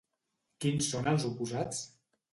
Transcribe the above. Quins són els oposats?